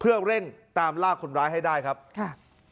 เพื่อเร่งตามลากคนร้ายให้ได้ครับค่ะ